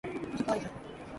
喉乾いた